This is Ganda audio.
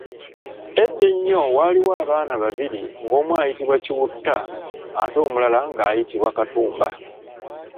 Edda ennyo waaliwo abaana babiri ng’omu ayitibwa Kiwutta ate omulala ng’ayitibwa Katumba.